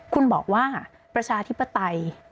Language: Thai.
คุณบอกว่าประชาธิปไตย